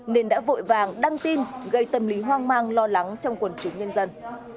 nên đã vội vàng đăng tin gây tâm lý hoang mang lo lắng trong quần chúng nhân dân